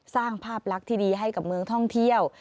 สร้างภาพลักษณ์ที่ดีให้กับเมืองท่องเที่ยว